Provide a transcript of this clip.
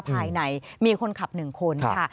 ภายในมีคนขับ๑คนค่ะ